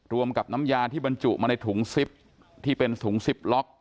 รวมกับน้ำยาที่บรรจุมาในถุงซิปที่เป็นถุง๑๐ล็อก